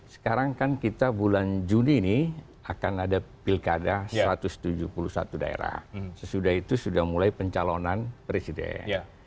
sekarang kan kita bulan juni ini akan ada pilkada satu ratus tujuh puluh satu daerah sesudah itu sudah mulai pencalonan presiden